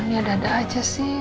ini ada ada aja sih